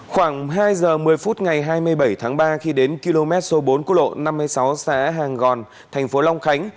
khoảng hai giờ một mươi phút ngày hai mươi bảy tháng ba khi đến km số bốn của lộ năm mươi sáu xã hàng gòn thành phố long khánh